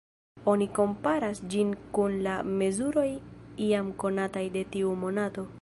Oni komparas ĝin kun la mezuroj jam konataj de tiu monato.